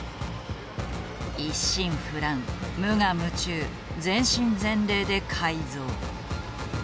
一心不乱無我夢中全身全霊で改造。